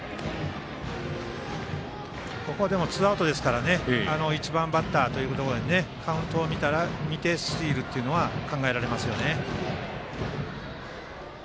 ここはツーアウトですから１番バッターということでカウントを見てスチールというのは考えられますよね。